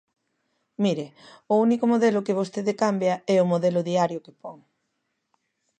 Mire, o único modelo que vostede cambia é o modelo diario que pon.